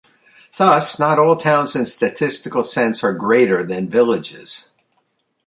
Thus, not all towns in statistical sense are greater than villages.